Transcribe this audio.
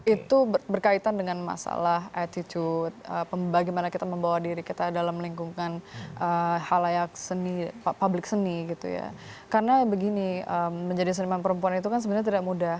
itu berkaitan dengan masalah attitude bagaimana kita membawa diri kita dalam lingkungan halayak seni publik seni gitu ya karena begini menjadi seniman perempuan itu kan sebenarnya tidak mudah